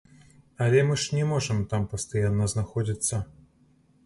Але мы ж не можам там пастаянна знаходзіцца.